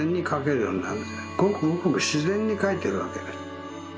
ごくごくしぜんにかいてるわけです。